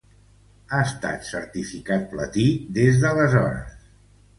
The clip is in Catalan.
Ha estat certificat platí des d'aleshores.